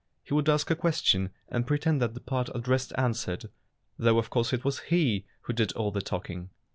He would ask a ques tion and pretend that the part addressed answered, though of course it was he who did all the talking.